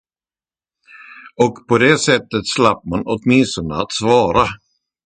Och på det sättet slapp man åtminstone att svara.